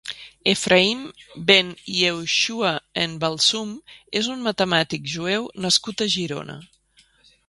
Efraïm ben Iehoixua en Balsum és un matemàtic jueu nascut a Girona.